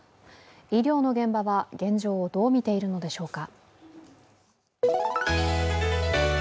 医療の現場は現状をどう見ているのでしょうか。